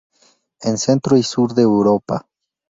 En centro y sur de Europa.